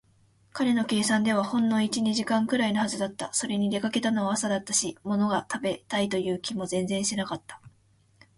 彼の計算ではほんの一、二時間ぐらいのはずだった。それに、出かけたのは朝だったし、ものが食べたいという気も全然しなかった。